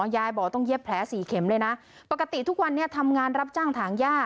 ยายบอกต้องเย็บแผลสี่เข็มเลยนะปกติทุกวันนี้ทำงานรับจ้างถางย่า